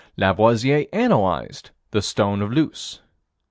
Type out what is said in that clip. Lavoisier analyzed the stone of Luce.